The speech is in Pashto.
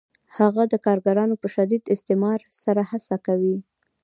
هغه د کارګرانو په شدید استثمار سره هڅه کوي